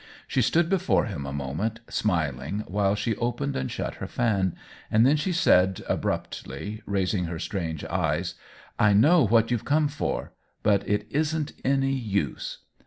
She stood before him a moment, smiling while she opened and shut her fan, and then she said, abruptly, raising her strange eyes :" I know what you've come for ; but it isn't any use."